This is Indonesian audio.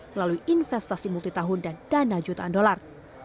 melalui investasi multitahun dan dana jutaan dolar